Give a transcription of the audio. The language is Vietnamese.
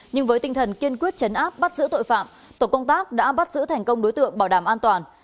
nhưng với tinh thần kiên quyết chấn áp bắt giữ tội phạm tổ công tác đã bắt giữ thành công đối tượng bảo đảm an toàn